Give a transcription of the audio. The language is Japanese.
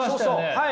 はい。